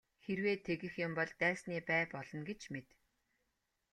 Хэрвээ тэгэх юм бол дайсны бай болно гэж мэд.